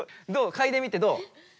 かいでみてどう？